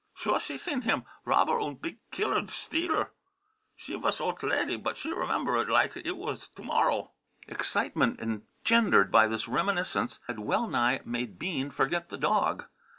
Sure, she seen him. Robber unt big killer sdealer! She vas olt lady, but she remember it lige it was to morrow." Excitement engendered by this reminiscence had well nigh made Bean forget the dog.